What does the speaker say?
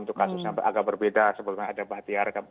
untuk kasusnya agak berbeda sebelumnya ada bahtiar